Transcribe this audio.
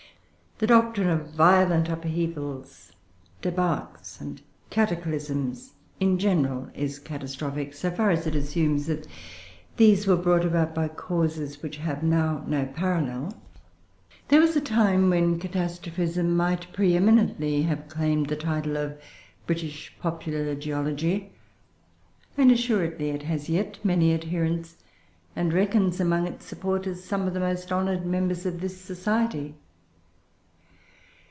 The doctrine of violent upheavals, débâcles, and cataclysms in general, is catastrophic, so far as it assumes that these were brought about by causes which have now no parallel. There was a time when catastrophism might, pre eminently, have claimed the title of "British popular geology"; and assuredly it has yet many adherents, and reckons among its supporters some of the most honoured members of this Society.